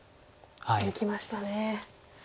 抜きましたね。